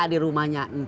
di rumahnya atu